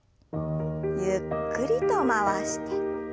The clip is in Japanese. ゆっくりと回して。